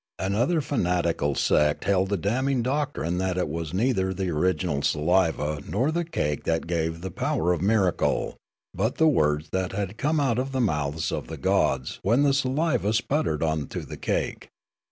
Another fanatical sect held the damning doctrine that it was neither the original saliva nor the cake that gave the power of miracle, but the words that had come out of the mouths of the gods when the saliva sputtered on to the cake.